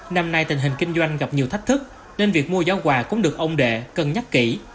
năm nay tình hình kinh doanh gặp nhiều thách thức nên việc mua giỏ quà cũng được ông đệ cần nhắc kỹ